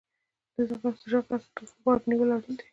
د زړه غږ ته غوږ نیول اړین دي.